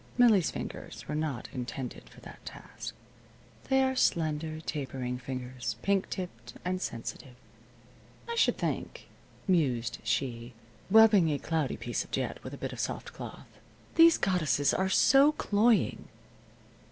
Millie's fingers were not intended for that task. They are slender, tapering fingers, pink tipped and sensitive. "I should think," mused she, rubbing a cloudy piece of jet with a bit of soft cloth, "that they'd welcome a homely one with relief. These goddesses are so cloying."